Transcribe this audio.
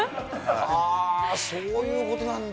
あー、そういうことなんだ。